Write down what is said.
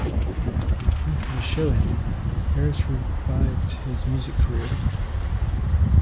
After the show ended, Harris revived his music career.